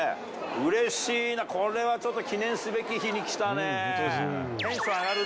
うれしいな、これはちょっと記念すべき日に来たね。